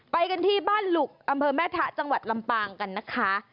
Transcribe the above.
ไปกันที่บ้านหลุกอำเภอแม่ทะจังหวัดลำปางกันนะคะ